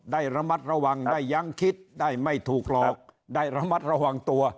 ได้ระมัดระวังได้ยั้งคิดได้ไม่ถูกหลอกได้ระมัดระวังตัว